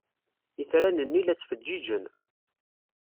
Itran-nni la ttfeǧǧiǧen.